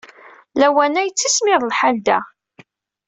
Lawan-a, yettismiḍ lḥal da.